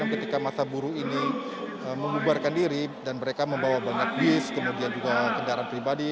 ketika masa buruh ini membubarkan diri dan mereka membawa banyak bis kemudian juga kendaraan pribadi